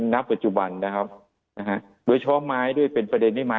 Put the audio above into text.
ณปัจจุบันนะครับนะฮะโดยเฉพาะไม้ด้วยเป็นประเด็นที่ไม้